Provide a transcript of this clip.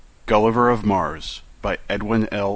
Gulliver of Mars by Edwin L.